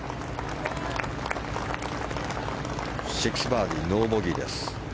６バーディー、ノーボギーです。